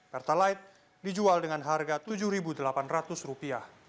pertalite dijual dengan harga rp tujuh delapan ratus